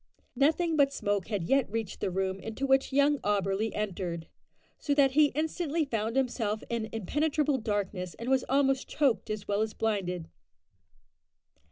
Nothing but smoke had yet reached the room into which young Auberly entered, so that he instantly found himself in impenetrable darkness, and was almost choked as well as blinded.